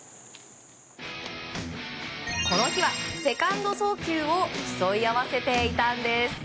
この日は、セカンド送球を競い合わせていたんです。